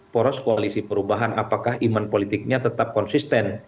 poros koalisi perubahan apakah iman politiknya tetap konsisten